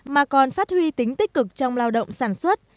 mà còn phát huy tính tích cực trong lao động sản xuất